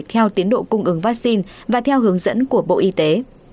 theo tiến độ cung ứng vaccine và theo hướng dẫn của bộ y tế